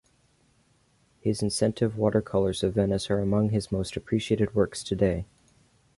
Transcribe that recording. His inventive watercolors of Venice are among his most appreciated works today.